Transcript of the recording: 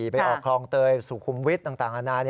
ไปออกคลองเตยสุขุมวิทย์ต่างนานา